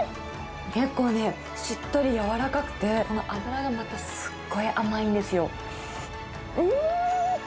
結構ね、しっとり柔らかくて、この脂がまたすっごい甘いんですよ。